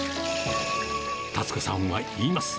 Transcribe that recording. たつ子さんは言います。